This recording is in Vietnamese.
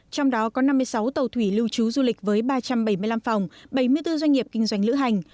trong đó có năm mươi sáu tàu thủy lưu trú du lịch với ba trăm bảy mươi năm phòng bảy mươi bốn doanh nghiệp kinh doanh lữ hành